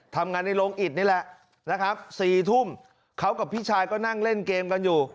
ทำงานในโรงอิดนี่แหละนะครับ๔ทุ่มเขากับพี่ชายก็นั่งเล่นเกมกันอยู่